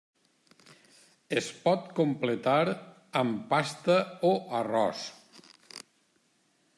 Es pot completar amb pasta o arròs.